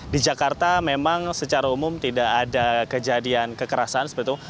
di jakarta memang secara umum tidak ada kejadian kekerasan seperti itu